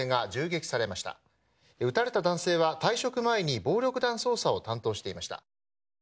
撃たれた男性は退職前に暴力団捜査を担当していました。